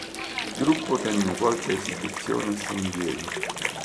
Il gruppo tenne qualche esibizione a San Diego.